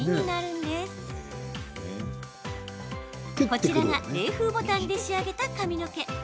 こちらが冷風ボタンで仕上げた髪の毛。